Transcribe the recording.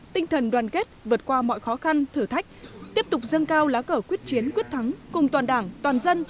tinh thần đoàn kết vượt qua mọi khó khăn thử thách tiếp tục dâng cao lá cờ quyết chiến quyết thắng cùng toàn đảng toàn dân